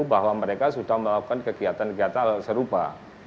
bahwa mereka sudah melakukan kegiatan kegiatan serupa